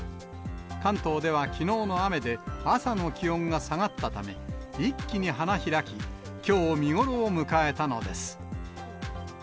関東ではきのうの雨で、朝の気温が下がったため、一気に花開き、きょう見頃を迎えたのです。